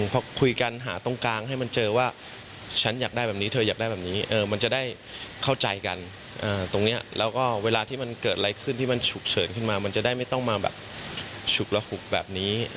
พอคุยกันหาตรงกลางให้มันเจอว่าฉันอยากได้แบบนี้เธออยากได้แบบนี้มันจะได้เข้าใจกันตรงนี้แล้วก็เวลาที่มันเกิดอะไรขึ้นที่มันฉุกเฉินขึ้นมามันจะได้ไม่ต้องมาแบบฉุกระหุกแบบนี้